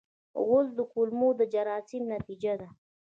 غول د کولمو د جراثیم نتیجه ده.